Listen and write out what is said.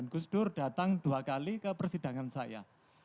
gus dur datang dua kali ke persidangan saya